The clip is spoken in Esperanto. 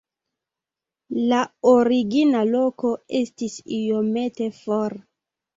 La origina loko estis iomete for.